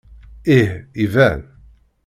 Ih, iban.